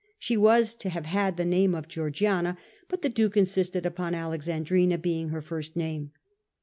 She was to have had the name of Georgiana, but the duke insisted upon Alexandrina being her first name.